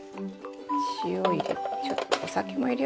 塩入れる。